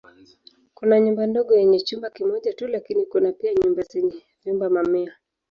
Kuna nyumba ndogo yenye chumba kimoja tu lakini kuna pia nyumba zenye vyumba mamia.